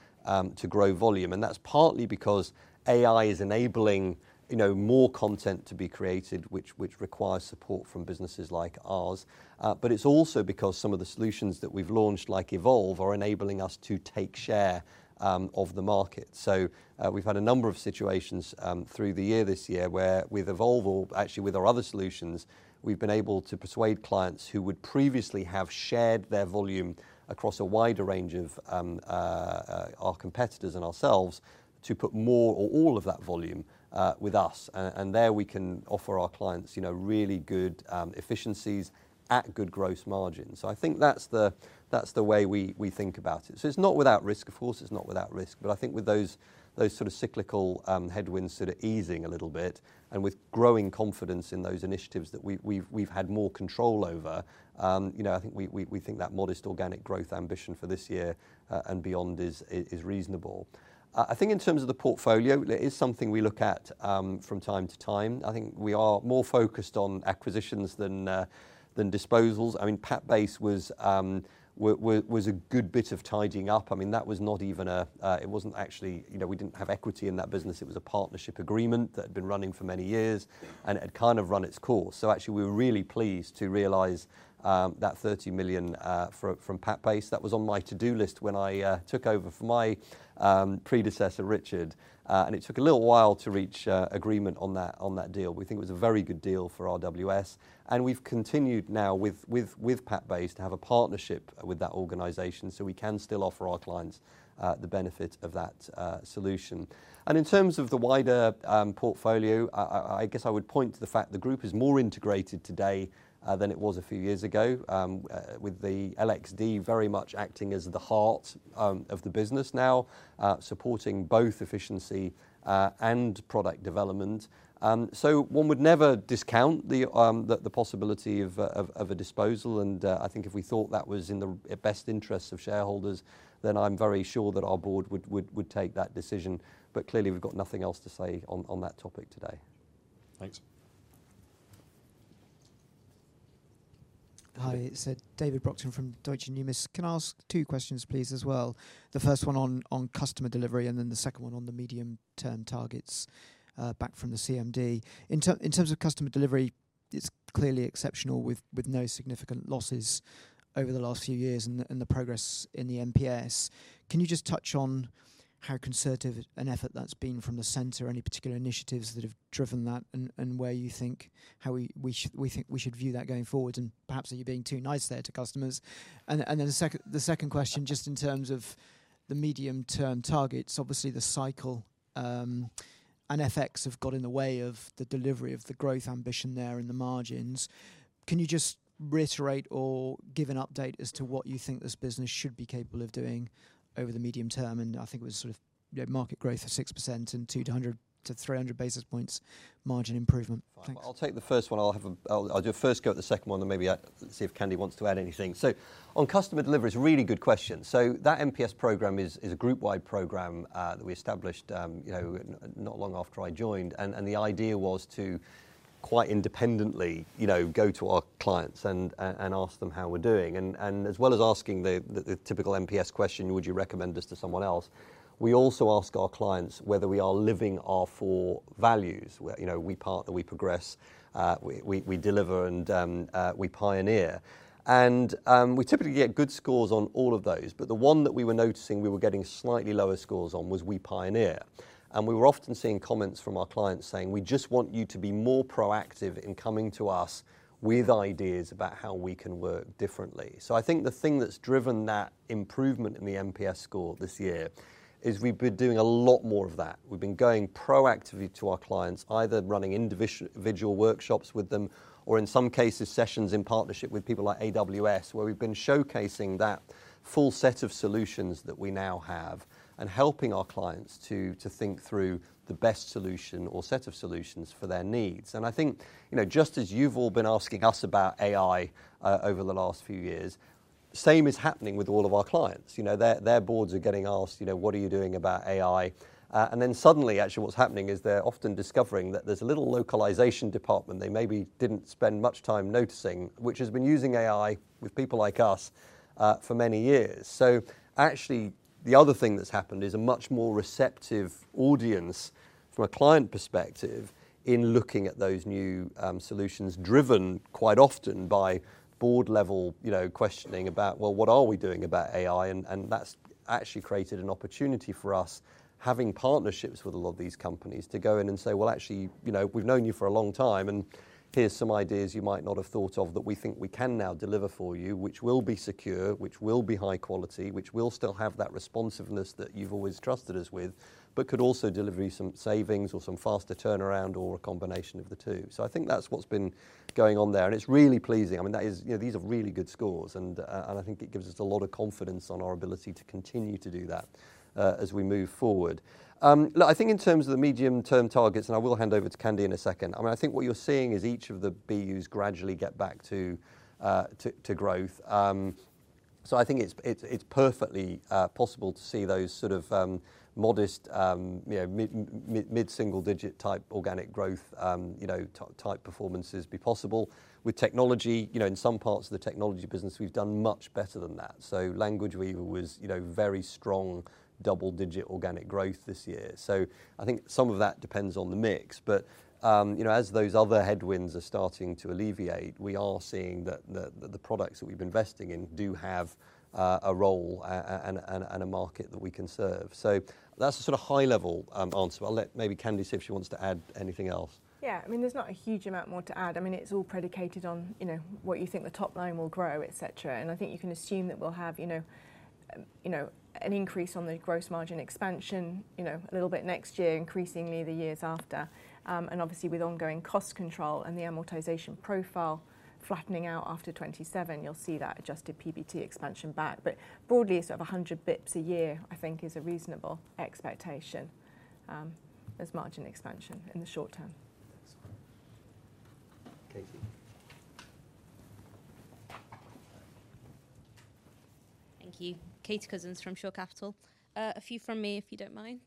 grow volume. And that's partly because AI is enabling more content to be created, which requires support from businesses like ours. But it's also because some of the solutions that we've launched, like Evolve, are enabling us to take share of the market. So we've had a number of situations through the year this year where with Evolve, or actually with our other solutions, we've been able to persuade clients who would previously have shared their volume across a wider range of our competitors and ourselves to put more or all of that volume with us. There we can offer our clients really good efficiencies at good gross margins. So I think that's the way we think about it. So it's not without risk, of course. It's not without risk. But I think with those sort of cyclical headwinds sort of easing a little bit and with growing confidence in those initiatives that we've had more control over, I think we think that modest organic growth ambition for this year and beyond is reasonable. I think in terms of the portfolio, it is something we look at from time to time. I think we are more focused on acquisitions than disposals. I mean, PatBase was a good bit of tidying up. I mean, that was not even a. It wasn't actually. We didn't have equity in that business. It was a partnership agreement that had been running for many years, and it had kind of run its course. So actually, we were really pleased to realize that 30 million from PatBase. That was on my to-do list when I took over from my predecessor, Richard. And it took a little while to reach agreement on that deal. We think it was a very good deal for AWS. And we've continued now with PatBase to have a partnership with that organization so we can still offer our clients the benefit of that solution. And in terms of the wider portfolio, I guess I would point to the fact the group is more integrated today than it was a few years ago, with the LXD very much acting as the heart of the business now, supporting both efficiency and product development. So one would never discount the possibility of a disposal. And I think if we thought that was in the best interests of shareholders, then I'm very sure that our board would take that decision. But clearly, we've got nothing else to say on that topic today. Thanks. Hi. It's David Brockton from Deutsche Numis. Can I ask two questions, please, as well? The first one on customer delivery and then the second one on the medium-term targets back from the CMD. In terms of customer delivery, it's clearly exceptional with no significant losses over the last few years and the progress in the NPS. Can you just touch on how concerted an effort that's been from the center, any particular initiatives that have driven that, and where you think how we should view that going forward? And perhaps are you being too nice there to customers? Then the second question, just in terms of the medium-term targets, obviously the cycle and effects have got in the way of the delivery of the growth ambition there in the margins. Can you just reiterate or give an update as to what you think this business should be capable of doing over the medium term? And I think it was sort of market growth of 6% and 200-300 basis points margin improvement. I'll take the first one. I'll do a first go at the second one and maybe see if Candida wants to add anything. So on customer delivery, it's a really good question. So that MPS program is a group-wide program that we established not long after I joined. And the idea was to quite independently go to our clients and ask them how we're doing. And as well as asking the typical NPS question, "Would you recommend us to someone else?" we also ask our clients whether we are living our four values. We partner, we progress, we deliver, and we pioneer. And we typically get good scores on all of those. But the one that we were noticing we were getting slightly lower scores on was we pioneer. And we were often seeing comments from our clients saying, "We just want you to be more proactive in coming to us with ideas about how we can work differently." So I think the thing that's driven that improvement in the NPS score this year is we've been doing a lot more of that. We've been going proactively to our clients, either running individual workshops with them or, in some cases, sessions in partnership with people like AWS, where we've been showcasing that full set of solutions that we now have and helping our clients to think through the best solution or set of solutions for their needs. And I think just as you've all been asking us about AI over the last few years, the same is happening with all of our clients. Their boards are getting asked, "What are you doing about AI?" And then suddenly, actually, what's happening is they're often discovering that there's a little localization department they maybe didn't spend much time noticing, which has been using AI with people like us for many years. Actually, the other thing that's happened is a much more receptive audience from a client perspective in looking at those new solutions, driven quite often by board-level questioning about, "Well, what are we doing about AI?" That's actually created an opportunity for us, having partnerships with a lot of these companies, to go in and say, "Well, actually, we've known you for a long time, and here's some ideas you might not have thought of that we think we can now deliver for you, which will be secure, which will be high quality, which will still have that responsiveness that you've always trusted us with, but could also deliver you some savings or some faster turnaround or a combination of the two." I think that's what's been going on there. It's really pleasing. I mean, these are really good scores. And I think it gives us a lot of confidence on our ability to continue to do that as we move forward. Look, I think in terms of the medium-term targets, and I will hand over to Candy in a second, I mean, I think what you're seeing is each of the BUs gradually get back to growth. So I think it's perfectly possible to see those sort of modest, mid-single-digit type organic growth type performances be possible. With technology, in some parts of the technology business, we've done much better than that. So Language Weaver was very strong double-digit organic growth this year. So I think some of that depends on the mix. But as those other headwinds are starting to alleviate, we are seeing that the products that we've been investing in do have a role and a market that we can serve. So that's a sort of high-level answer. I'll let maybe Candida see if she wants to add anything else. Yeah. I mean, there's not a huge amount more to add. I mean, it's all predicated on what you think the top line will grow, etc. And I think you can assume that we'll have an increase on the gross margin expansion a little bit next year, increasingly the years after. And obviously, with ongoing cost control and the amortization profile flattening out after 2027, you'll see that adjusted PBT expansion back. But broadly, sort of 100 basis points a year, I think, is a reasonable expectation as margin expansion in the short term. Thanks. Thank you. Katie Cousins from Shore Capital. A few from me, if you don't mind.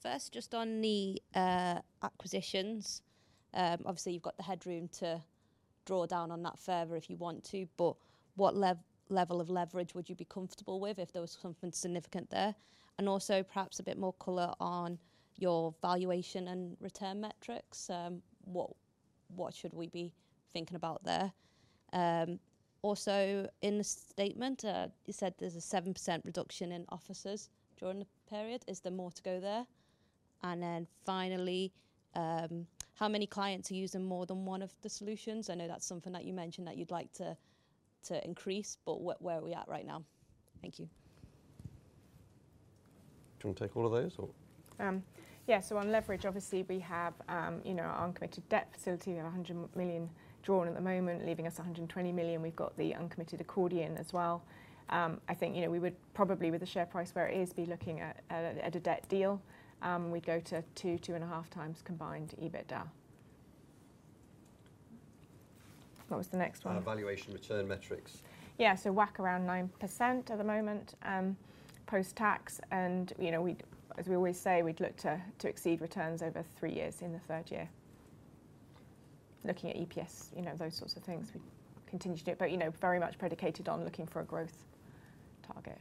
First, just on the acquisitions, obviously, you've got the headroom to draw down on that further if you want to, but what level of leverage would you be comfortable with if there was something significant there? And also, perhaps a bit more color on your valuation and return metrics. What should we be thinking about there? Also, in the statement, you said there's a 7% reduction in offices during the period. Is there more to go there? And then finally, how many clients are using more than one of the solutions? I know that's something that you mentioned that you'd like to increase, but where are we at right now? Thank you. Do you want to take all of those or? Yeah. So on leverage, obviously, we have our uncommitted debt facility of 100 million drawn at the moment, leaving us 120 million. We've got the uncommitted accordion as well. I think we would probably, with the share price where it is, be looking at a debt deal. We go to two, two and a half times combined EBITDA. What was the next one, and valuation return metrics? Yeah, so WACC around 9% at the moment post-tax, and as we always say, we'd look to exceed returns over three years in the third year. Looking at EPS, those sorts of things, we continue to do it, but very much predicated on looking for a growth target.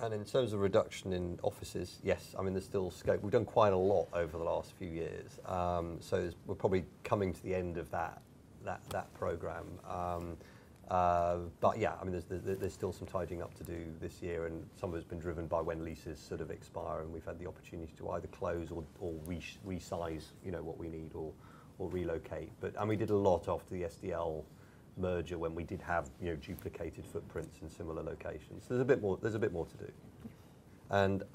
And in terms of reduction in offices, yes. I mean, there's still scope. We've done quite a lot over the last few years, so we're probably coming to the end of that program, but yeah, I mean, there's still some tidying up to do this year. Some of it's been driven by when leases sort of expire, and we've had the opportunity to either close or resize what we need or relocate. We did a lot after the SDL merger when we did have duplicated footprints in similar locations. There's a bit more to do.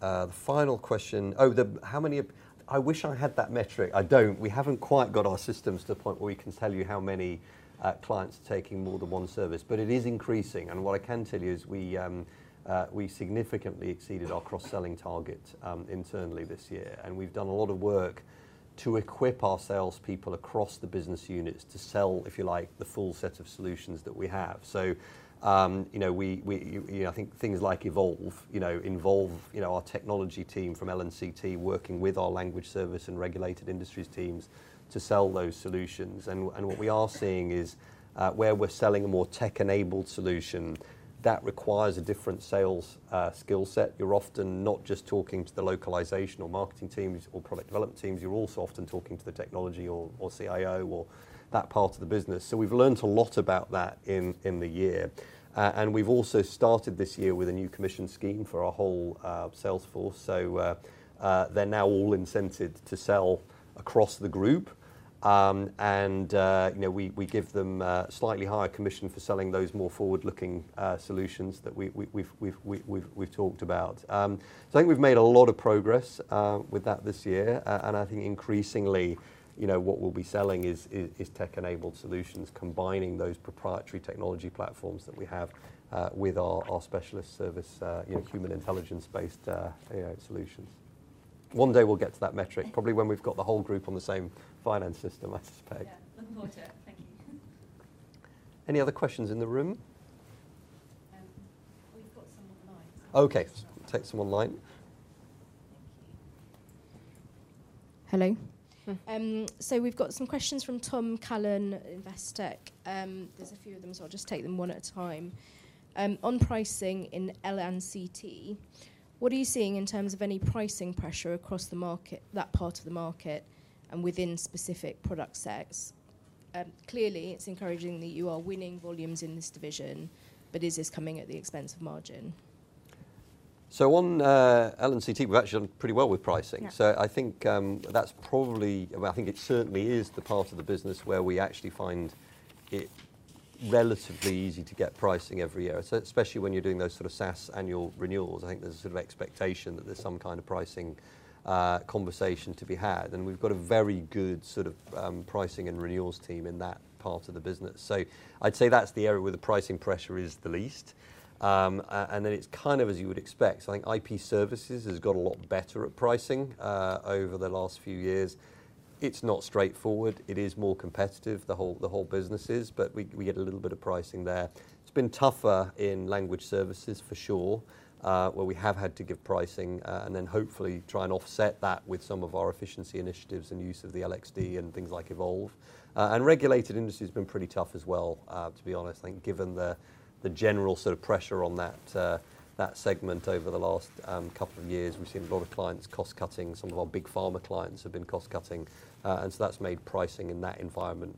The final question, oh, how many? I wish I had that metric. I don't. We haven't quite got our systems to the point where we can tell you how many clients are taking more than one service. It is increasing. What I can tell you is we significantly exceeded our cross-selling target internally this year. We've done a lot of work to equip our salespeople across the business units to sell, if you like, the full set of solutions that we have. So I think things like Evolve involve our technology team from L&CT working with our Language Service and Regulated Industries teams to sell those solutions. And what we are seeing is where we're selling a more tech-enabled solution that requires a different sales skill set. You're often not just talking to the localization or marketing teams or product development teams. You're also often talking to the technology or CIO or that part of the business. So we've learned a lot about that in the year. And we've also started this year with a new commission scheme for our whole salesforce. So they're now all incented to sell across the group. And we give them a slightly higher commission for selling those more forward-looking solutions that we've talked about. So I think we've made a lot of progress with that this year. I think increasingly, what we'll be selling is tech-enabled solutions, combining those proprietary technology platforms that we have with our specialist service, human intelligence-based solutions. One day, we'll get to that metric, probably when we've got the whole group on the same finance system, I suspect. Yeah. Look forward to it. Thank you. Any other questions in the room? We've got some online. Okay. Take some online. Thank you. Hello. So we've got some questions from Tom Callan, Investec. There's a few of them, so I'll just take them one at a time. On pricing in L&CT, what are you seeing in terms of any pricing pressure across that part of the market and within specific product sectors? Clearly, it's encouraging that you are winning volumes in this division, but is this coming at the expense of margin? So on L&CT, we've actually done pretty well with pricing. So I think that's probably, I think it certainly is the part of the business where we actually find it relatively easy to get pricing every year, especially when you're doing those sort of SaaS annual renewals. I think there's a sort of expectation that there's some kind of pricing conversation to be had. And we've got a very good sort of pricing and renewals team in that part of the business. So I'd say that's the area where the pricing pressure is the least. And then it's kind of as you would expect. So I think IP Services has got a lot better at pricing over the last few years. It's not straightforward. It is more competitive. The whole business is, but we get a little bit of pricing there. It's been tougher in Language Services, for sure, where we have had to give pricing and then hopefully try and offset that with some of our efficiency initiatives and use of the LXD and things like Evolve. And Regulated Industry has been pretty tough as well, to be honest. I think given the general sort of pressure on that segment over the last couple of years, we've seen a lot of clients cost-cutting. Some of our big pharma clients have been cost-cutting. And so that's made pricing in that environment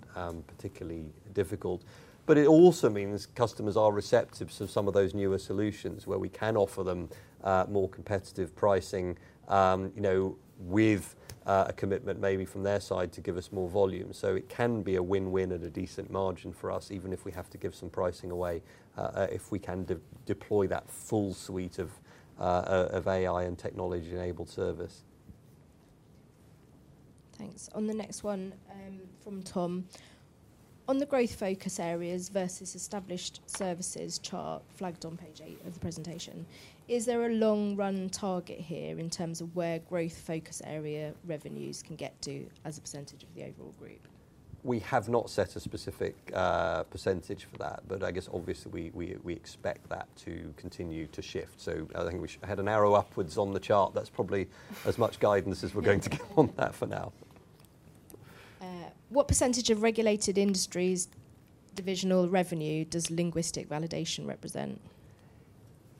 particularly difficult. But it also means customers are receptive to some of those newer solutions where we can offer them more competitive pricing with a commitment maybe from their side to give us more volume. So it can be a win-win at a decent margin for us, even if we have to give some pricing away if we can deploy that full suite of AI and technology-enabled service. Thanks. On the next one from Tom, on the growth focus areas versus established services chart flagged on page eight of the presentation, is there a long-run target here in terms of where growth focus area revenues can get to as a percentage of the overall group? We have not set a specific percentage for that, but I guess obviously we expect that to continue to shift. So I think we had an arrow upwards on the chart. That's probably as much guidance as we're going to get on that for now. What percentage of Regulated Industry's divisional revenue does Linguistic Validation represent?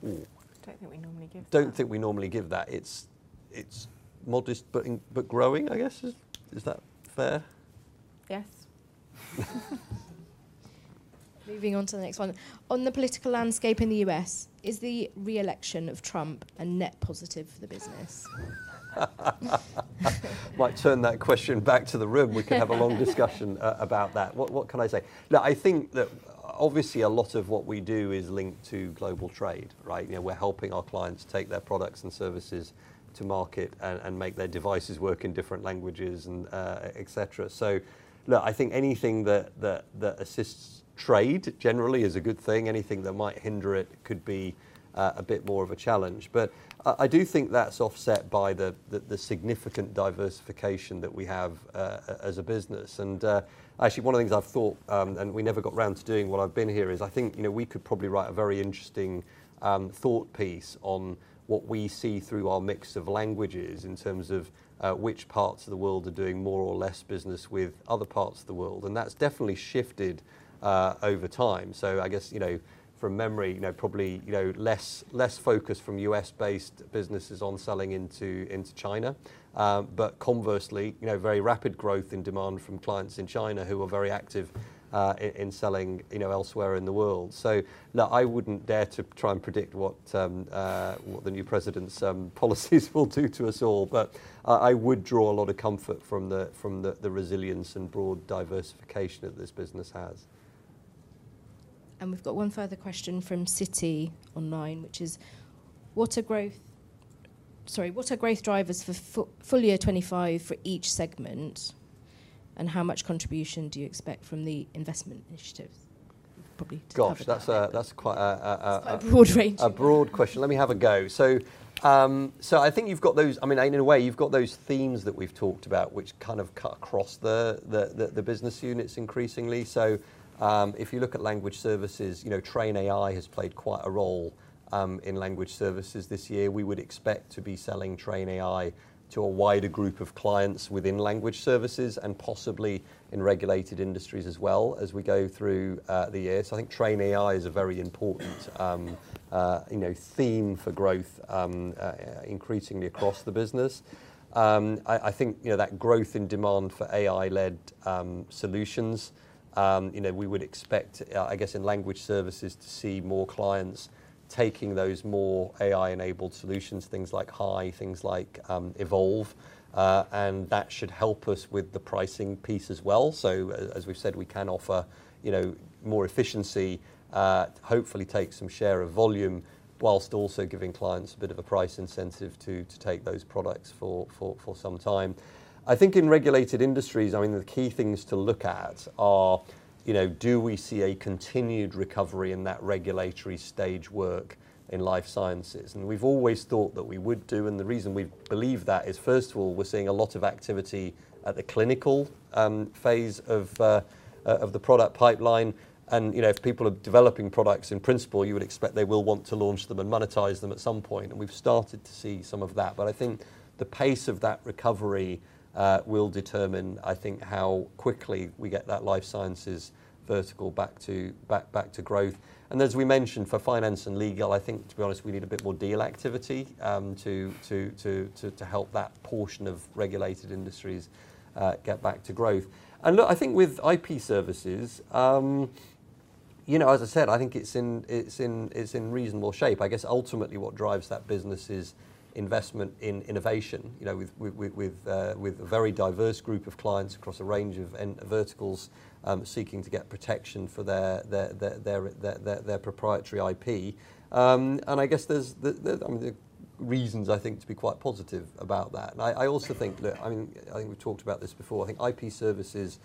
I don't think we normally give that. Don't think we normally give that. It's modest but growing, I guess. Is that fair? Yes. Moving on to the next one. On the political landscape in the U.S., is the re-election of Trump a net positive for the business? Might turn that question back to the room. We could have a long discussion about that. What can I say? Look, I think that obviously a lot of what we do is linked to global trade, right? We're helping our clients take their products and services to market and make their devices work in different languages, etc. So look, I think anything that assists trade generally is a good thing. Anything that might hinder it could be a bit more of a challenge. But I do think that's offset by the significant diversification that we have as a business. And actually, one of the things I've thought, and we never got around to doing while I've been here, is I think we could probably write a very interesting thought piece on what we see through our mix of languages in terms of which parts of the world are doing more or less business with other parts of the world. And that's definitely shifted over time. So I guess from memory, probably less focus from U.S.-based businesses on selling into China. But conversely, very rapid growth in demand from clients in China who are very active in selling elsewhere in the world. So look, I wouldn't dare to try and predict what the new president's policies will do to us all, but I would draw a lot of comfort from the resilience and broad diversification that this business has. We've got one further question from Citi online, which is, what are growth drivers for full year 2025 for each segment? And how much contribution do you expect from the investment initiatives? Probably to cover that. Gosh, that's quite a broad range. A broad question. Let me have a go. I think you've got those. I mean, in a way, you've got those themes that we've talked about, which kind of cut across the business units increasingly. If you look at Language Services, TrainAI has played quite a role in Language Services this year. We would expect to be selling TrainAI to a wider group of clients within Language Services and possibly in Regulated Industries as well as we go through the year. I think TrainAI is a very important theme for growth increasingly across the business. I think that growth in demand for AI-led solutions, we would expect, I guess, in Language Services to see more clients taking those more AI-enabled solutions, things like HAI, things like Evolve. That should help us with the pricing piece as well. So as we've said, we can offer more efficiency, hopefully take some share of volume whilst also giving clients a bit of a price incentive to take those products for some time. I think in Regulated Industries, I mean, the key things to look at are, do we see a continued recovery in that regulatory stage work in life sciences? We've always thought that we would do. The reason we believe that is, first of all, we're seeing a lot of activity at the clinical phase of the product pipeline. If people are developing products in principle, you would expect they will want to launch them and monetize them at some point. We've started to see some of that. I think the pace of that recovery will determine, I think, how quickly we get that life sciences vertical back to growth. As we mentioned, for finance and legal, I think, to be honest, we need a bit more deal activity to help that portion of Regulated Industries get back to growth. Look, I think with IP Services, as I said, I think it's in reasonable shape. I guess ultimately what drives that business is investment in innovation with a very diverse group of clients across a range of verticals seeking to get protection for their proprietary IP. I guess there's reasons, I think, to be quite positive about that. I also think, look, I mean, I think we've talked about this before. I think IP Services,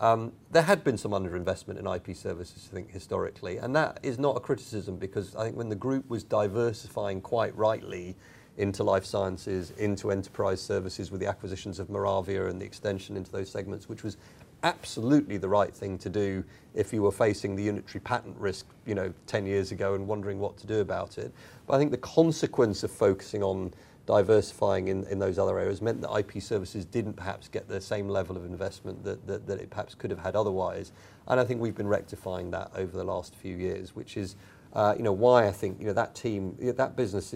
there had been some underinvestment in IP Services, I think, historically. That is not a criticism because I think when the group was diversifying quite rightly into life sciences, into enterprise services with the acquisitions of Moravia and the extension into those segments, which was absolutely the right thing to do if you were facing the Unitary Patent risk 10 years ago and wondering what to do about it. I think the consequence of focusing on diversifying in those other areas meant that IP Services didn't perhaps get the same level of investment that it perhaps could have had otherwise. And I think we've been rectifying that over the last few years, which is why I think that team, that business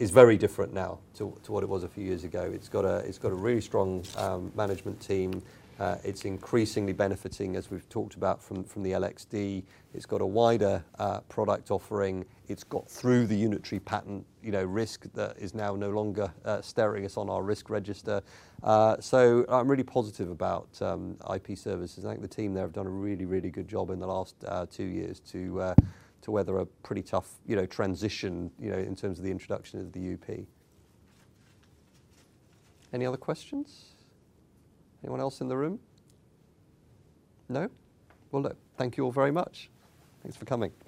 is very different now to what it was a few years ago. It's got a really strong management team. It's increasingly benefiting, as we've talked about, from the LXD. It's got a wider product offering. It's got through the Unitary Patent risk that is now no longer staring us on our risk register. So I'm really positive about IP Services. I think the team there have done a really, really good job in the last two years to weather a pretty tough transition in terms of the introduction of the UP. Any other questions? Anyone else in the room? No? Well, look, thank you all very much. Thanks for coming.